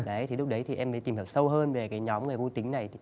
đấy thì lúc đấy thì em mới tìm hiểu sâu hơn về cái nhóm người vô tính này